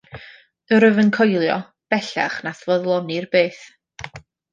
Yr wyf yn coelio, bellach, na'th foddlonir byth.